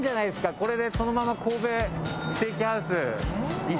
これでそのまま神戸ステーキハウス行って。